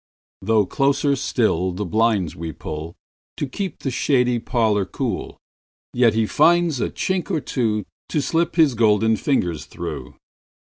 Though closer still the blinds we pullTo keep the shady parlour cool, Yet he will find a chink or twoTo slip his golden fingers through.